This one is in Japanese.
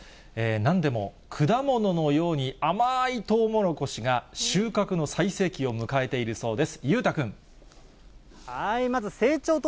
なんでも、果物のように甘ーいトウモロコシが収穫の最盛期を迎えているそうです。